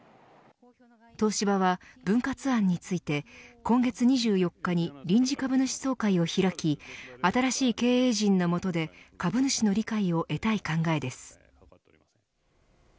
東芝は分割案について今月２４日に臨時株主総会を開き新しい経営陣の下で株主の理解を得たい考えです。